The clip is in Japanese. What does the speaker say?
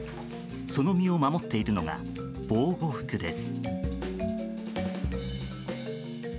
その身を守っているのが防護服です。